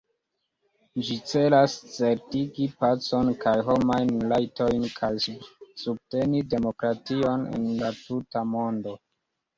Ĝi celas certigi pacon kaj homajn rajtojn kaj subteni demokration en la tuta mondo.